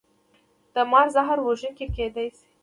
د مار زهر وژونکي کیدی شي